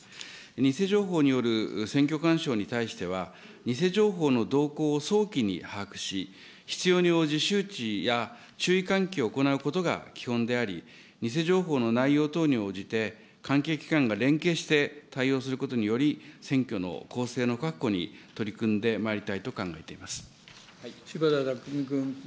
偽情報による選挙干渉に対しては、偽情報の動向を早期に把握し、必要に応じ、周知や注意喚起を行うことが基本であり、偽情報の内容等に応じて、関係機関が連携して対応することにより、選挙の公正の確保に取り組んでまいりたいと柴田巧君。